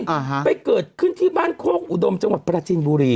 อ่าฮะไปเกิดขึ้นที่บ้านโคกอุดมจังหวัดปราจินบุรี